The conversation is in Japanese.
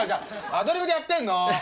アドリブでやってんの！